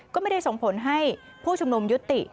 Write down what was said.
ก็ไม่ได้ส่งผลให้ผู้ชุมนุมยุติ